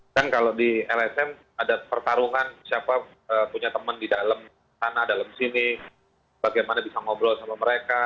kan kalau di lsm ada pertarungan siapa punya teman di dalam sana dalam sini bagaimana bisa ngobrol sama mereka